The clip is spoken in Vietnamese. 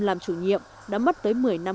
làm chủ nhiệm đã mất tới một mươi năm